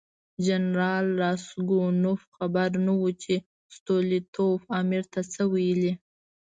جنرال راسګونوف خبر نه و چې ستولیتوف امیر ته څه ویلي.